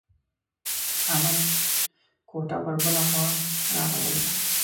احمد کوټه پر بله خوا را اړولې ده.